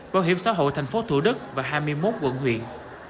bảo hiểm xã hội tp thủ đức và hai mươi một quận huyện